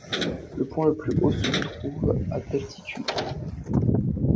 Le point le plus haut se trouve à d'altitude.